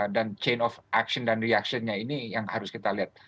dan chain of action dan reactionnya ini yang harus kita lihat